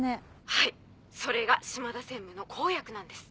はいそれが島田専務の公約なんです。